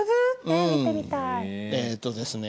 えっとですね